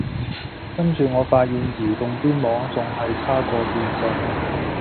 跟住我發現移動啲網仲係差過電信